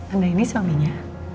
anda ini suaminya